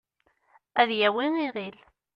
ad yawi iɣil